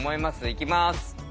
いきます。